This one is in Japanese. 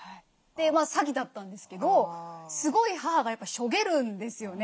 まあ詐欺だったんですけどすごい母がしょげるんですよね